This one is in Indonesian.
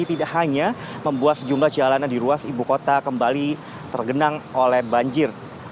tidak hanya membuat sejumlah jalanan di ruas ibu kota kembali tergenang oleh banjir